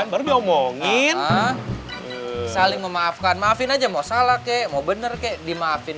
baru omongin saling memaafkan maafin aja mau salah kek mau bener kek di maafin